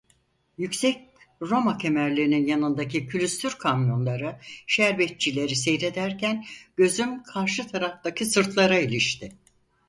Yüksek Roma kemerlerinin yanındaki külüstür kamyonları, şerbetçileri seyrederken gözüm karşı taraftaki sırtlara ilişti.